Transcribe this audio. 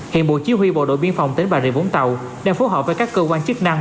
hiện bộ chí huy bộ đội biên phòng tỉnh bà rịa vũng tàu đang phối hợp với các cơ quan chức năng